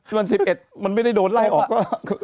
แล้วมันไม่ได้โดยเล่าออกก็